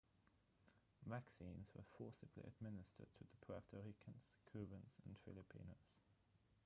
Vaccines were forcibly administered to the Puerto Ricans, Cubans, and Filipinos.